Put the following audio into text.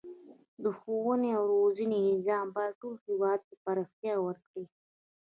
د ښوونې او روزنې نظام باید ټول هیواد ته پراختیا ورکړي.